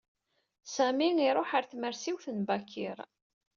Sami iṛuḥ ɣer tmersiwt n Bakir.